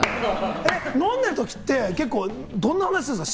飲んでるときって、どんな話するんですか？